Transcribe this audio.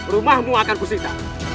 rumahmu akan kusinta